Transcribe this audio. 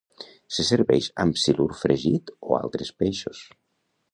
Se serveix amb silur fregit o altres peixos.